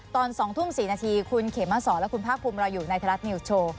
ตอน๒ทุ่ม๔นาทีคุณเขมสอนและคุณภาคภูมิเราอยู่ในไทยรัฐนิวส์โชว์